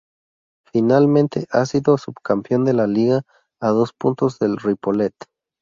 Finalmente ha sido subcampeón de liga, a dos puntos del Ripollet.